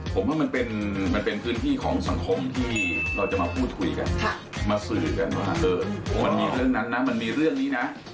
ผมว่ามันเป็นพื้นที่ของสังคมที่เราจะมาพูดคุยกันมาสื่อกันว่าเออวันนี้เรื่องนั้นนะมันมีเรื่องนี้นะ